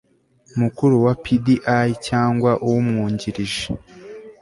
mukuru wa pdi cyangwa umwungirije